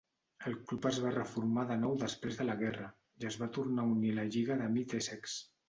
El club es va reformar de nou després de la guerra i es va tornar a unir a la Lliga de Mid-Essex.